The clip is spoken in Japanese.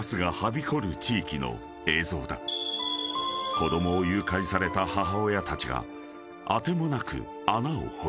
［子供を誘拐された母親たちが当てもなく穴を掘り